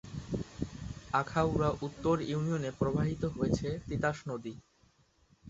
আখাউড়া উত্তর ইউনিয়নে প্রবাহিত হয়েছে তিতাস নদী।